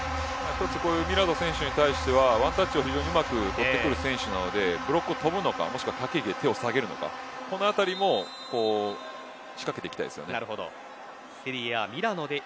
ミラド選手に対してはワンタッチをうまく持ってくる選手なのでブロックを跳ぶのか手を下げるのか、このあたりも仕掛けていきたいですよね。